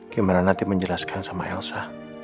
gimana nanti menjelaskan sama elsa